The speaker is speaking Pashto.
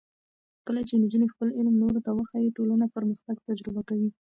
کله چې نجونې خپل علم نورو ته وښيي، ټولنه پرمختګ تجربه کوي.